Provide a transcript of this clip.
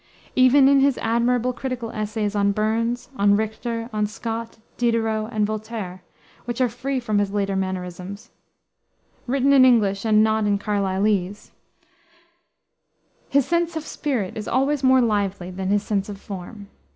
Even in his admirable critical essays on Burns, on Richter, on Scott, Diderot, and Voltaire, which are free from his later mannerism written in English, and not in Carlylese his sense of spirit is always more lively than his sense of form.